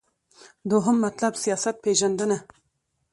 دوهم مطلب : سیاست پیژندنه